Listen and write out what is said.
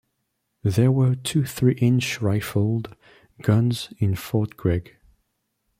There were two three-inch rifled guns in Fort Gregg.